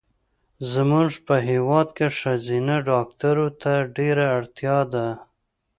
زمونږ په هېواد کې ښځېنه ډاکټرو ته ډېره اړتیا ده